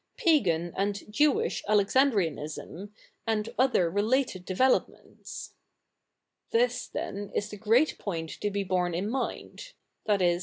Pagan and Jewish Alexandrianism, and other related developments.^^ ' This, then, is the great point to be borne in mind — viz.